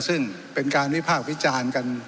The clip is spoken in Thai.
ซึ่งเป็นการวิพากษ์วิจารณ์กัน